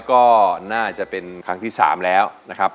ก็น่าจะเป็นครั้งที่๓แล้วนะครับ